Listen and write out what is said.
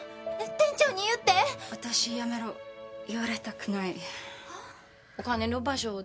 店長に言って私やめろ言われたくないお金の場所